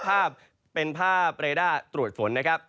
ภาพเป็นภาพเรด้าตรวจฝนนะครับ